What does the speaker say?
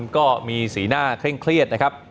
ก็มีสีหน้าเคร่งเครียดนะครับ